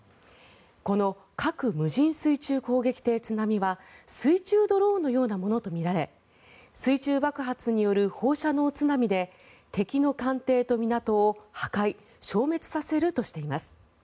この核無人水中攻撃艇「津波」は水中ドローンのようなものとみられ水中爆発による放射能津波で敵の艦艇と港を破壊消滅させるとしています。